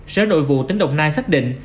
sở đội vụ tỉnh đồng nai xác định